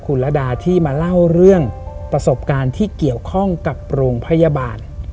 คุณระดาที่มาเล่าเรื่องประสบการณ์ที่เกี่ยวข้องกับโรงพยาบาล